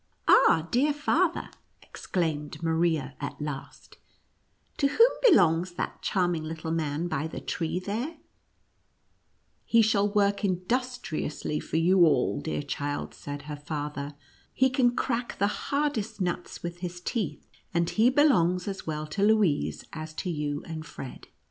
" Ah, dear father," exclaimed Maria at last, "to whom belongs that charming little man by the tree there ?"" He shall work industriously for you all, dear child," said her father. " He can crack the hardest nuts with his teeth, and he belongs as well to Louise as to you and Fred."